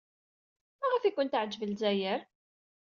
Maɣef ay kent-teɛjeb Lezzayer?